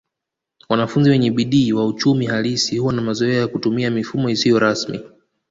Wanafunzi wenye bidii wa uchumi halisi huwa na mazoea ya kutumia mifumo isiyo rasmi